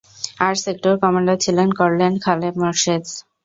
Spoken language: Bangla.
আর সেক্টর কমান্ডার ছিলেন কর্নেল খালেদ মোশাররফ।